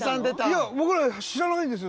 僕ら知らないんですよ